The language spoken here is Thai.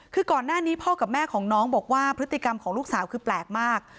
คือก่อนหน้านี้พ่อกับแม่ของน้องบอกว่าพฤติกรรมของลูกสาวคือแปลกมาก